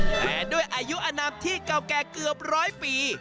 แต่ด้วยอายุอนามที่เก่าแก่เกือบร้อยปี